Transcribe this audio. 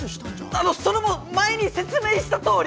あのそれも前に説明したとおり。